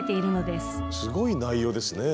すごい内容ですね。